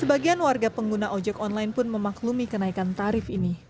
sebagian warga pengguna ojek online pun memaklumi kenaikan tarif ini